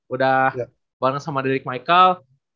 udah bareng sama dedik michael